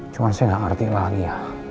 cuma saya gak ngerti lagi ya